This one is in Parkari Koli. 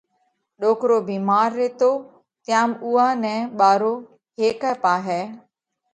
ڏوڪرو ڀيمار ريتو تيام اُوئا نئہ ٻارو هيڪئہ پاهئہ